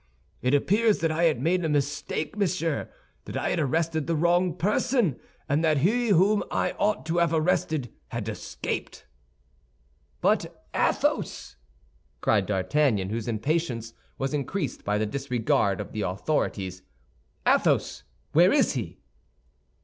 It appears that I had made a mistake, monsieur, that I had arrested the wrong person, and that he whom I ought to have arrested had escaped." "But Athos!" cried D'Artagnan, whose impatience was increased by the disregard of the authorities, "Athos, where is he?"